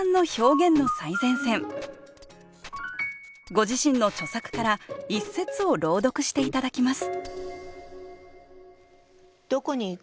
ご自身の著作から一節を朗読して頂きます